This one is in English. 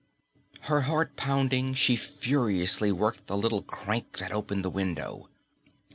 Her heart pounding, she furiously worked the little crank that opened the window.